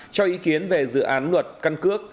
cho ý kiến về dự án luật căn cước